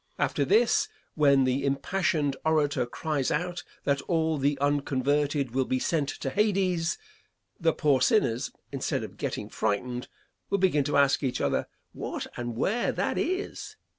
After this, when the impassioned orator cries out that all the unconverted will be sent to Hades, the poor sinners, instead of getting frightened, will begin to ask each other what and where that is.